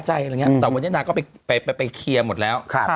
ใจหรืออย่างเงี้ยแต่บางประแต่นางก็ไปไปเคียร์หมดแล้วค่ะ